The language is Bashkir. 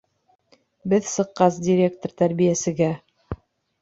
Беҙ сыҡҡас, директор тәрбиәсегә: